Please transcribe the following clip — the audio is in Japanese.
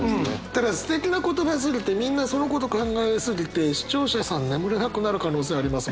ただすてきな言葉すぎてみんなそのこと考えすぎて視聴者さん眠れなくなる可能性あります。